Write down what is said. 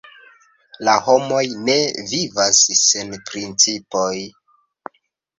La homoj ne vivas sen principoj.